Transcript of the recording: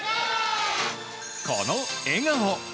この笑顔。